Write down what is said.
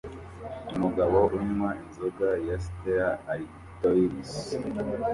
Umugabo unywa inzoga ya Stella ARtois